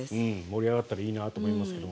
盛り上がったらいいなと思いますけれど。